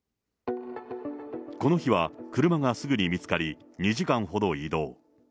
この日は車がすぐに見つかり、２時間ほど移動。